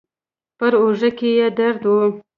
پر اوږه کې يې درد و.